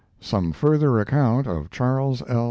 SOME FURTHER ACCOUNT OF CHARLES L.